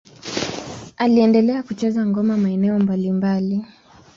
Aliendelea kucheza ngoma maeneo mbalimbali.